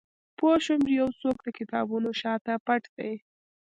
پوه شوم چې یو څوک د کتابونو شاته پټ دی